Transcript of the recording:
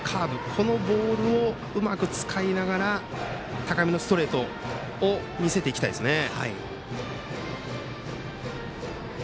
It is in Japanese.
このボールをうまく使いながら高めのストレートを見せていきたいですね。